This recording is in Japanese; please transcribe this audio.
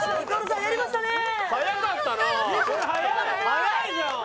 速いじゃん。